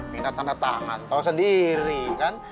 minat tanda tangan tau sendiri kan